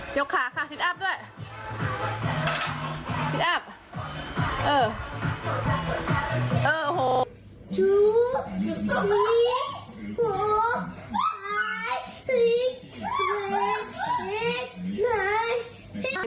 กขาค่ะซิตอัพด้วย